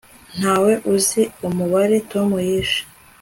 ntawe uzi umubare tom yishe